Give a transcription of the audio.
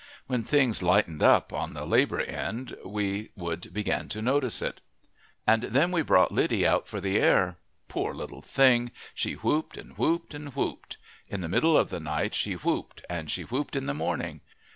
When things lightened up on the labor end we would begin to notice it. And then we brought Lydie out for the air. Poor little thing! She whooped and whooped and whooped. In the middle of the night she whooped, and she whooped in the morning.